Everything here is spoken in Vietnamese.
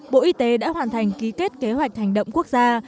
bộ y tế đã hoàn thành ký kết kế hoạch hành động quốc gia